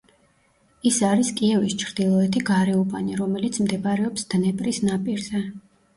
ის არის კიევის ჩრდილოეთი გარეუბანი, რომელიც მდებარეობს დნეპრის ნაპირზე.